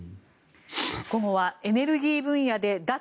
午後はエネルギー分野で脱